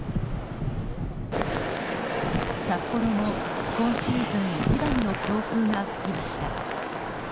札幌も今シーズン一番の強風が吹きました。